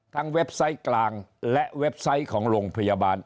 เว็บไซต์กลางและเว็บไซต์ของโรงพยาบาล